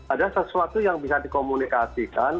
ada sesuatu yang bisa dikomunikasikan